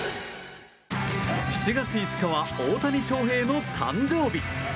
７月５日は大谷翔平の誕生日。